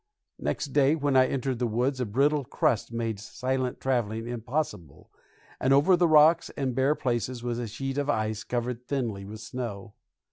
Next day when I entered the woods a brittle crust made silent traveling impossible, and over the rocks and bare places was a sheet of ice covered thinly with snow.